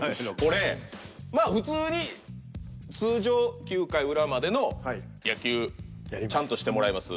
これまあ普通に通常９回裏までの野球ちゃんとしてもらいます。